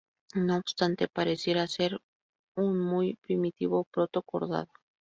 No obstante, pareciera ser un muy primitivo proto-cordado.